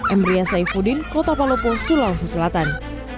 emria saifuddin kota palopo sulawesi selatan